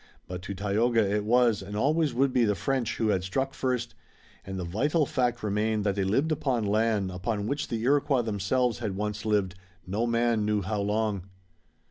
But to Tayoga it was and always would be the French who had struck first, and the vital fact remained that they lived upon land upon which the Iroquois themselves had once lived, no man knew how long.